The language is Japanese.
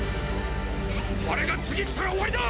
アレが次来たら終わりだ！